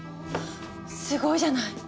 すごいじゃない！